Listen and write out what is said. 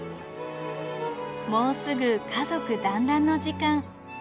もうすぐ家族団らんの時間。